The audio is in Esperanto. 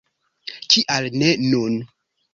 Kial ne nun!